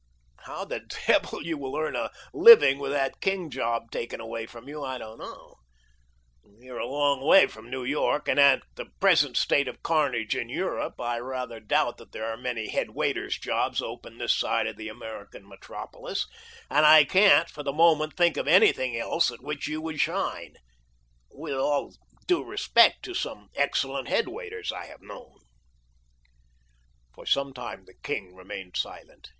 "How the devil you will earn a living with that king job taken away from you I don't know. You're a long way from New York, and in the present state of carnage in Europe I rather doubt that there are many headwaiters jobs open this side of the American metropolis, and I can't for the moment think of anything else at which you would shine—with all due respect to some excellent headwaiters I have known." For some time the king remained silent.